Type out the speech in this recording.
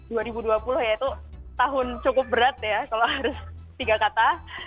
dua ribu dua puluh ya itu tahun cukup berat ya kalau harus tiga kata